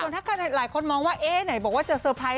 แต่ถ้าหลายคนมองว่าเอ๊ไหนบอกว่าจะเซอร์ไพรส์